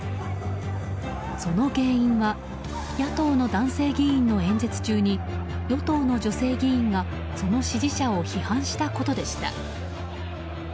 その原因は野党の男性議員の演説中に与党の女性議員がその支持者を批判したことでした。